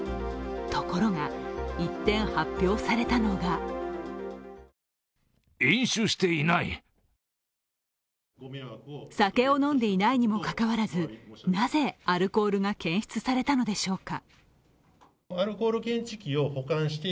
ところが一転、発表されたのが酒を飲んでいないにもかかわらず、なぜアルコールが検出されたのでしょうか。